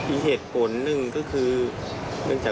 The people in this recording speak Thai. อีกเหตุผลนึงก็คือ